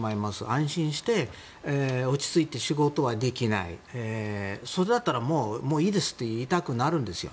安心して、落ち着いて仕事はできないそれだったらもういいですと言いたくなるんですよ。